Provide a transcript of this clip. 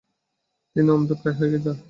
তিনি অন্ধপ্রায় হয়ে যান।